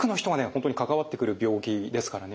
本当に関わってくる病気ですからね